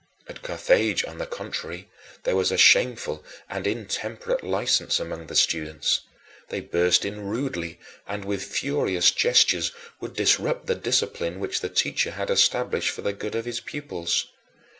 At Carthage, on the contrary, there was a shameful and intemperate license among the students. They burst in rudely and, with furious gestures, would disrupt the discipline which the teacher had established for the good of his pupils.